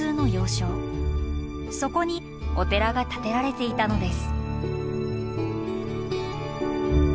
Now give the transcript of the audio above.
そこにお寺が建てられていたのです。